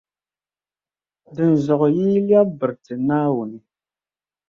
Dinzuɣu yi yi lԑbi biriti Naawuni.